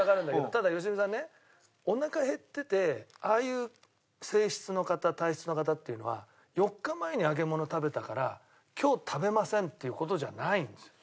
ただ良純さんねおなか減っててああいう性質の方体質の方っていうのは４日前に揚げ物食べたから今日食べませんっていう事じゃないんですよ。